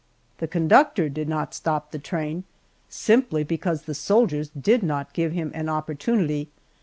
The conductor did not stop the train, simply because the soldiers did not give him an opportunity.